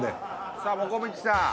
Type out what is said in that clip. さあもこみちさん